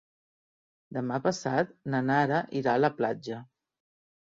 Demà passat na Nara irà a la platja.